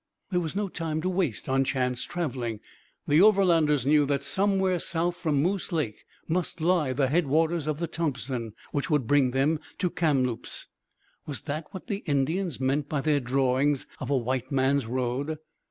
There was no time to waste on chance travelling. The Overlanders knew that somewhere south from Moose Lake must lie the headwaters of the Thompson, which would bring them to Kamloops. Was that what the Indians meant by their drawings of a white man's road?